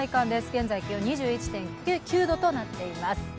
現在気温２２．９度となっています。